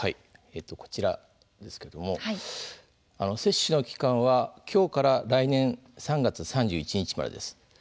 こちらですけれども接種の期間は今日から来年３月３１日までです。